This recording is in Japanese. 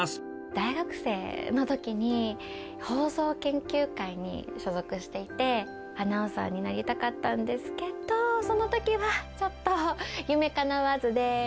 大学生のときに、放送研究会に所属していて、アナウンサーになりたかったんですけど、そのときはちょっと夢かなわずで。